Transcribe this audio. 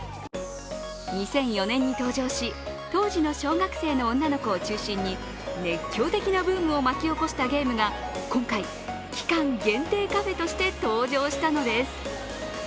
２００４年に登場し、当時の小学生の女の子を中心に熱狂的なブームを巻き起こしたゲームが今回、期間限定カフェとして登場したのです。